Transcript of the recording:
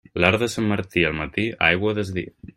L'arc de Sant Martí al matí, aigua a desdir.